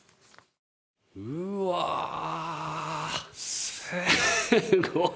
うわあ、すごい。